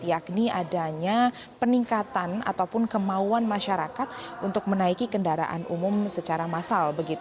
yakni adanya peningkatan ataupun kemauan masyarakat untuk menaiki kendaraan umum secara massal